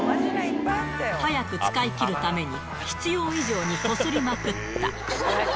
早く使い切るために必要以上にこすりまくった。